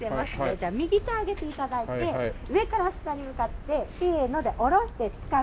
じゃあ右手上げて頂いて上から下に向かって「せーの」で下ろしてつかみます。